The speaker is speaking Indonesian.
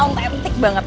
terusnya autentik banget